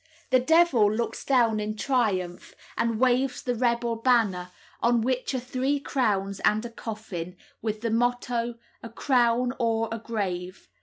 The devil looks down in triumph and waves the rebel banner, on which are three crowns and a coffin, with the motto, "A crown or a grave."